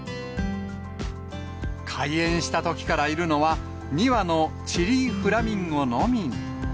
開園したときからいるのは、２羽のチリーフラミンゴのみに。